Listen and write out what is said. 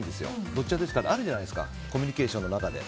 どっち派とかあるじゃないですかコミュニケーションの中で。